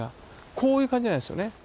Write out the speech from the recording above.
こういう感じじゃないんですよね。